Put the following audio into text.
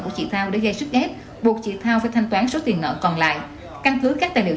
của chị thao đã gây sức ép buộc chị thao phải thanh toán số tiền nợ còn lại căn cứ các tài liệu